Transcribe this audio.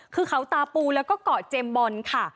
คือเขาตาปูแล้วก็เกาะเจมส์บอลค่ะ